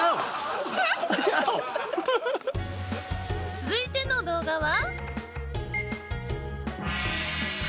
続いての動画は。